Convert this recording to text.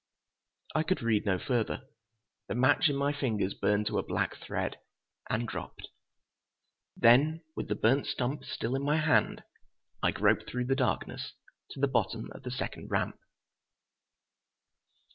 I could read no further. The match in my fingers burned to a black thread and dropped. Then, with the burnt stump still in my hand, I groped through the darkness to the bottom of the second ramp.